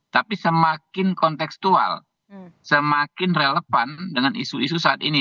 tapi semakin kontekstual semakin relevan dengan isu isu saat ini